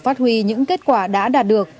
phát huy những kết quả đã đạt được